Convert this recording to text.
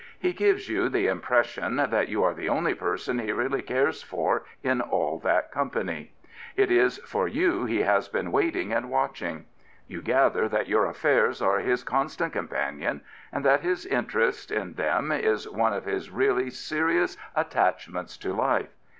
He gives you the impression that you are the only person he really cares for in all that company. It is for you he has been waiting and watching. You gather that your affairs are his con stant companion and that his interest in them is one of his really serious attachments to life.